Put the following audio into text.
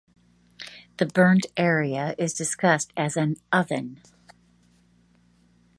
The burnt area is discussed as an "oven".